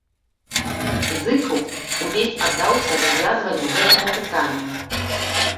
Зыкаў увесь аддаўся развязванню гэтага пытання.